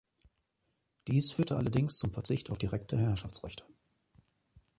Dies führte allerdings zum Verzicht auf direkte Herrschaftsrechte.